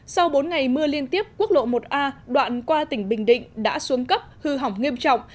sau bốn ngày mưa liên tiếp quốc lộ một a đoạn qua tỉnh bình định đã xuống cấp hư hỏng nghiêm trọng